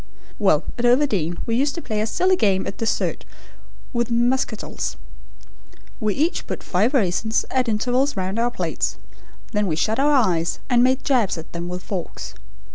"Well, at Overdene we used to play a silly game at dessert with muscatels. We each put five raisins at intervals round our plates, then we shut our eyes and made jabs at them with forks.